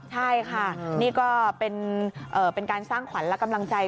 ใช่ค่ะนี่ก็เป็นการสร้างขวัญและกำลังใจ